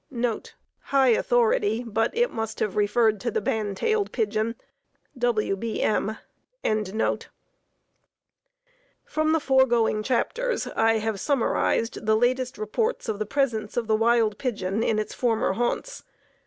[High authority, but it must have referred to the band tailed pigeon. W. B. M.] From the foregoing chapters I have summarized the latest reports of the presence of the wild pigeon in its former haunts.